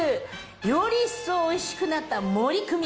より一層おいしくなった森クミ